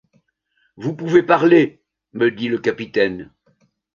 Vous pouvez parler, me dit le capitaine.